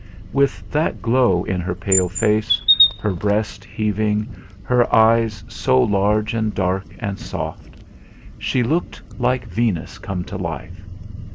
With that glow in her pale face, her breast heaving, her eyes so large and dark and soft, she looked like Venus come to life!